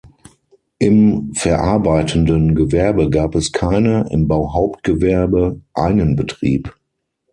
Im verarbeitenden Gewerbe gab es keine, im Bauhauptgewerbe einen Betrieb.